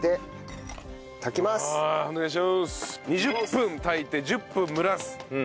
２０分炊いて１０分蒸らす。